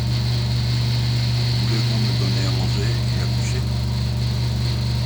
Voulez-vous me donner à manger et à coucher?